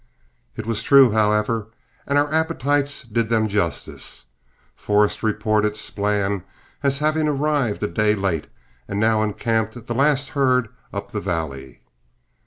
It was true, however, and our appetites did them justice. Forrest reported Splann as having arrived a day late, and now encamped the last herd up the valley.